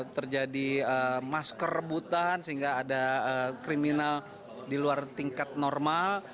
terjadi masker rebutan sehingga ada kriminal di luar tingkat normal